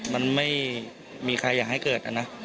มันไม่มีใครอยากให้เกิดนะ